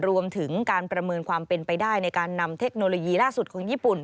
รวมถึงการประเมินความเป็นไปได้ในการนำเทคโนโลยีล่าสุดของญี่ปุ่น